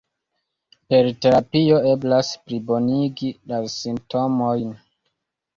Per terapio eblas plibonigi la simptomojn.